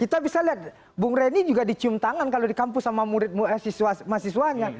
kita bisa lihat bung reni juga dicium tangan kalau di kampus sama mahasiswanya